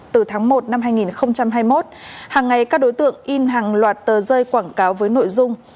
từ tháng một năm hai nghìn hai mươi một hàng ngày các đối tượng in hàng loạt tờ rơi quảng cáo với nội dung